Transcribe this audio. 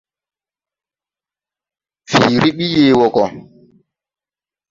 Fiiri ɓi yee wɔɔ gɔ.